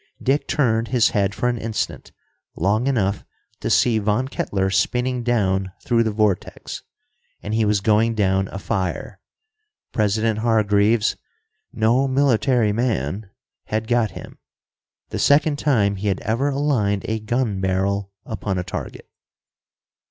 Dick turned his head for an instant, long enough to see Von Kettler spinning down through the vortex. And he was going down afire. President Hargreaves, "no military man," had got him, the second time he had ever aligned a gun barrel upon a target.